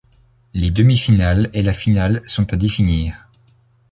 Les demi-finales et la finale sont à définir.